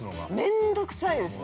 ◆面倒くさいですね。